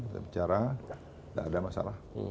kita bicara tidak ada masalah